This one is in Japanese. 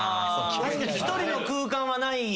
確かに一人の空間はない。